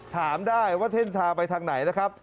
ถามได้ว่าเส้นทางไปทางไหนนะครับ